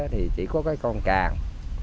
thì chỉ có con càng